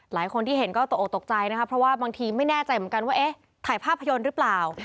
หลายคนที่เห็นก็ตกออกตกใจนะครับเพราะว่าบางทีไม่แน่ใจเหมือนกันว่าเอ๊ะถ่ายภาพยนตร์หรือเปล่า